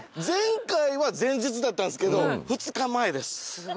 前回は前日だったんすけど２日前です。